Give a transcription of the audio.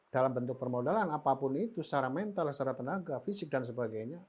dalam bentuk permodalan apapun itu secara mental secara tenaga fisik dan sebagainya